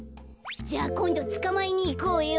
じゃあこんどつかまえにいこうよ。